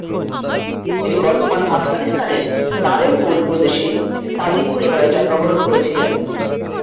তিনি বর্তমান আফগানিস্তানের সারে-পোল প্রদেশে একটি তাজিক পরিবারে জন্মগ্রহণ করেছিলেন।